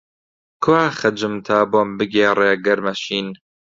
کوا «خەج»م تا بۆم بگێڕێ گەرمە شین؟!